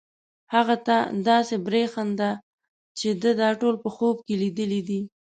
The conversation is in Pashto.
هغه ته داسې برېښېده چې ده دا ټول په خوب کې لیدلي دي.